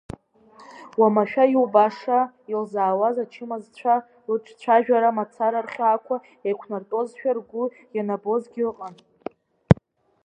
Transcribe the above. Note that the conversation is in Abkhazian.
Уамашәа иубаша, илзаауаз ачымазцәа, лыҿцәажәара мацара рхьаақәа еиқәнартәозшәа ргәы ианабозгьы ыҟан.